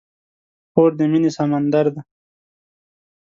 خور د مینې سمندر ده.